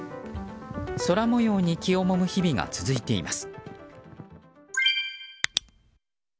空模様に気をもむ日々が続いています。